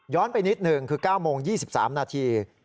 ไปนิดหนึ่งคือ๙โมง๒๓นาที